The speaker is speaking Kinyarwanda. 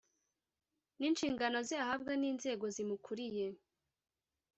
ni inshingano ze ahabwa n inzego zimukuriye